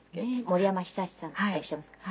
森山久さんとおっしゃいますか？